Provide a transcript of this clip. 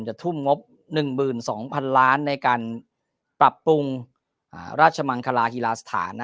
ทุ่มงบ๑๒๐๐๐ล้านในการปรับปรุงราชมังคลาฮีลาสถาน